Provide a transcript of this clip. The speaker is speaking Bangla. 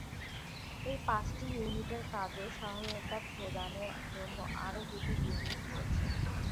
এই পাঁচটি ইউনিটের কাজে সহায়তা প্রদানের জন্য আরো দুটি ইউনিট রয়েছে।